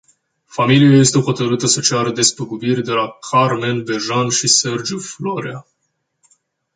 Familia este hotărâtă să ceară despăgubiri de la Carmen Bejan și Sergiu Florea.